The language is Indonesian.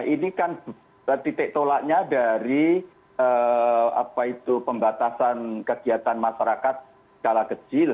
ini kan titik tolaknya dari pembatasan kegiatan masyarakat skala kecil